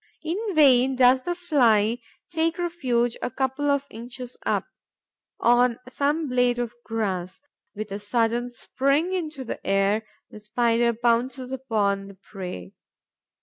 In vain does the Fly take refuge a couple of inches up, on some blade of grass. With a sudden spring into the air, the Spider pounces on the prey.